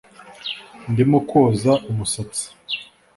Ndimo kwoza umusatsi